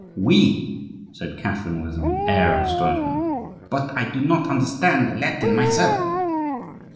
"We!" said Catherine, with an air of astonishment. "But I do not understand Latin, myself."